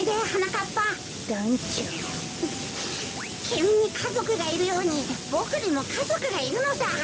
きみにかぞくがいるようにボクにもかぞくがいるのさ。